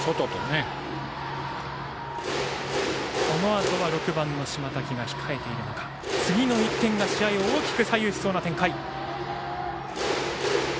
このあとは６番の島瀧が控えている中次の１点が試合を大きく左右しそうな展開。